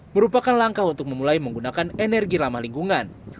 merupakan langkah untuk memulai menggunakan energi ramah lingkungan